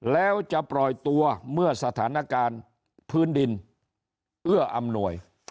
แล้วจะปล่อยตัวเมื่อสถานการณ์พื้นดินเอื้ออำนวย